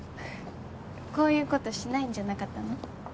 こういうことしないんじゃなかったの？